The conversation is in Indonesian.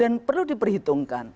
dan perlu diperhitungkan